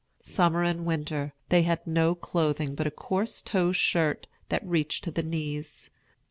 Summer and winter, they had no clothing but a coarse tow shirt that reached to the knees.